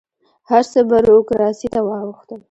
هر څه بروکراسي ته واوښتل.